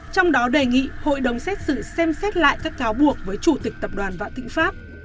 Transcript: trong đó đề nghị hội đồng xét xử xem xét lại các cáo buộc với chủ tịch tập đoàn vạn thịnh pháp